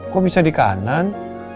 kok bisa di kanan